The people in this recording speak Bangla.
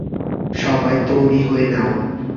সবাই তৈরি হয়ে নাও।